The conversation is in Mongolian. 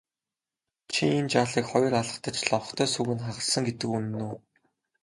Чи энэ жаалыг хоёр алгадаж лонхтой сүүг нь хагалсан гэдэг үнэн үү?